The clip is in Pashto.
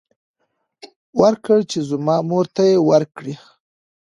ورکړ چې زما مور ته يې ورکړي.